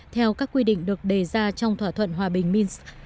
theo các quy định được đề ra trong thỏa thuận hòa bình minsk